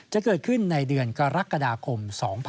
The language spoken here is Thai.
จะเกิดขึ้นในเดือนกรกฎาคม๒๕๖๒